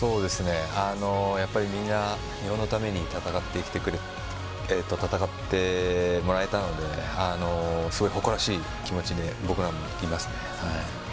やっぱりみんな日本のために戦ってもらえたので誇らしい気持ちで僕らもいます。